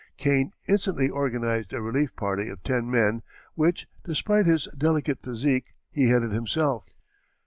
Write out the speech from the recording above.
Kane instantly organized a relief party of ten men, which, despite his delicate physique, he headed himself.